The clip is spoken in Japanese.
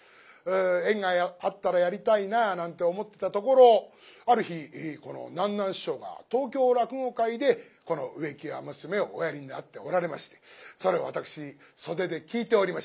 縁があったらやりたいななんて思ってたところある日この南なん師匠が「東京落語会」でこの「植木屋娘」をおやりになっておられましてそれを私袖で聴いておりました。